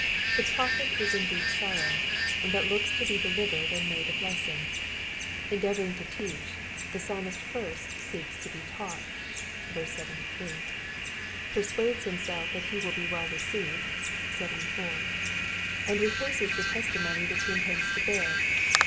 The prophet is in deep sorrow, but looks to be delivered and made a blessing. Endeavouring to teach, the Psalmist first seeks to be taught (verse 7^, persuades himself that he will be well received (74), and rehearses the testimony which he intends to bear (75).